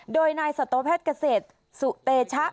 โดยนายสัตวแพทย์เกษตรสุเตชะ